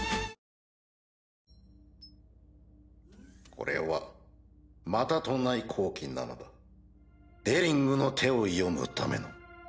これはまたとない好機なのだデリングの手を読むための。